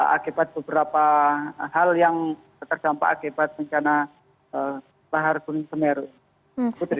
akibat beberapa hal yang terdampak akibat pencana bahar guni semeru